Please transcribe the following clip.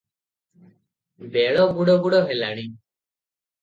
ବେଳ ବୁଡ଼ ବୁଡ଼ ହେଲାଣି ।